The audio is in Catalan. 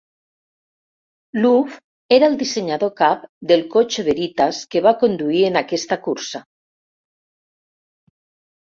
Loof era el dissenyador cap del cotxe Veritas que va conduir en aquesta cursa.